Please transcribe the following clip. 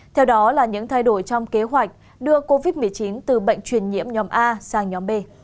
theo đó là những thay đổi trong kế hoạch đưa covid một mươi chín từ bệnh truyền nhiễm nhóm a sang nhóm b